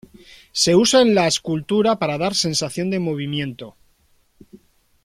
Se usa en la escultura para dar sensación de movimiento.